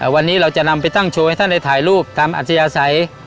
วันนี้เราจะนำไปตั้งโชว์ให้ท่านได้ถ่ายรูปตามอัธยาศัย